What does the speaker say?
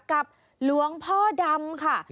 กับหลวงพ่อดำค่ะ